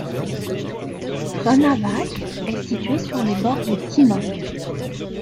Trnavac est situé sur les bords du Timok.